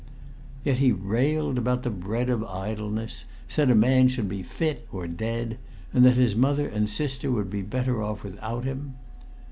Yet he railed about the bread of idleness, said a man should be fit or dead, and that his mother and sister would be better off without him.